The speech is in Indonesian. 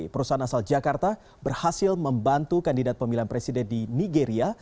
perusahaan asal jakarta berhasil membantu kandidat pemilihan presiden di nigeria